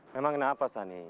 memang kenapa sani